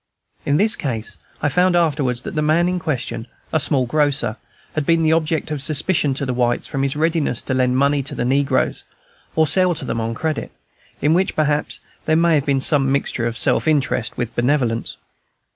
In this case, I found afterwards that the man in question, a small grocer, had been an object of suspicion to the whites from his readiness to lend money to the negroes, or sell to them on credit; in which, perhaps, there may have been some mixture of self interest with benevolence.